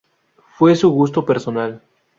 Fue su gusto personal.